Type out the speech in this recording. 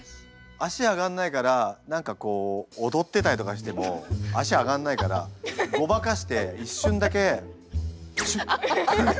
脚上がんないから何かこう踊ってたりとかしても脚上がんないからごまかして一瞬だけシュッ！